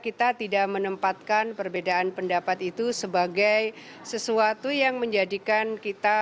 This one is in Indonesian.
kita tidak menempatkan perbedaan pendapat itu sebagai sesuatu yang menjadikan kita